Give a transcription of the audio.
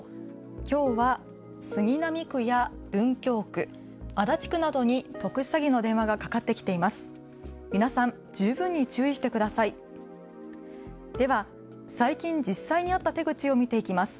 きょうは杉並区や文京区、足立区などに特殊詐欺の電話がかかってきています。